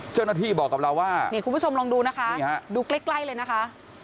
เจ้าหน้าที่บอกกับเราว่านี่คุณผู้ชมลองดูนะคะดูใกล้เลยนะคะ